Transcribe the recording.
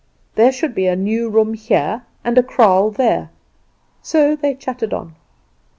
There should be a new room here, and a kraal there. So they chatted on.